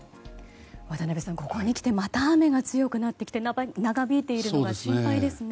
渡辺さん、ここに来てまた雨が強くなってきて長引いているのは心配ですね。